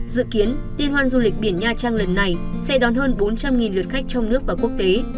dự kiến liên hoan du lịch biển nha trang lần này sẽ đón hơn bốn trăm linh lượt khách trong nước và quốc tế